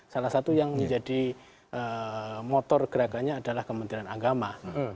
salah satu yang menjadi motor gerakannya adalah kementerian agama